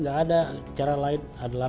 gak ada cara lain adalah